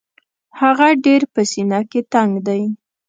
هغه ډېر په سینه کې تنګ دی.